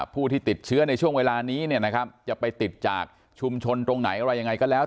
ผู้ที่ติดเชื้อในช่วงเวลานี้จะไปติดจากชุมชนตรงไหนอะไรยังไงก็แล้ว